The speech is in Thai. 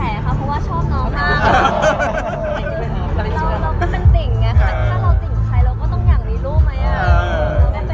เราก็เป็นติ่งไงถ้าเราติ่งใครเราก็ต้องอย่างนี้รู้ไหมอ่ะ